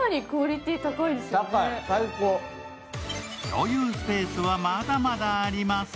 共用スペースは、まだまだあります。